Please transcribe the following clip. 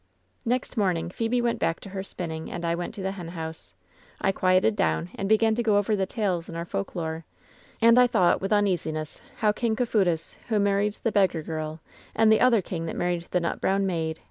"Next morning Phebe went back to her spinning and I went to the henhouse. I quieted down and began to go over the tales in our folk lore — ^and I thought, with uneasiness, how King Coephutas, who married the beg gar girl, and the other king that married the nut brown maid!